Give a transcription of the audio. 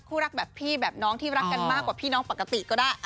รักแบบพี่แบบน้องที่รักกันมากกว่าพี่น้องปกติก็ได้